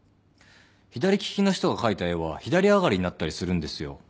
左利きの人が描いた絵は左上がりになったりするんですよ。